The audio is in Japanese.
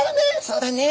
「そうだね